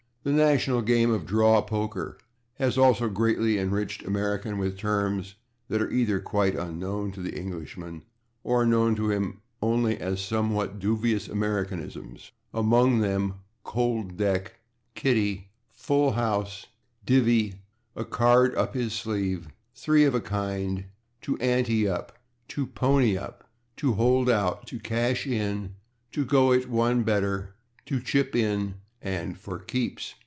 The national game of draw poker has also greatly enriched American with terms that are either quite unknown to the Englishman, or known to him only as somewhat dubious Americanisms, among them /cold deck/, /kitty/, /full house/, /divvy/, /a card up his sleeve/, /three of a kind/, /to ante up/, /to pony up/, /to hold out/, /to cash in/, /to go it one better/, /to chip in/ and /for keeps